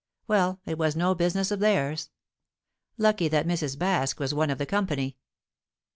Well, it was no business of theirs. Lucky that Mrs. Baske was one of the company.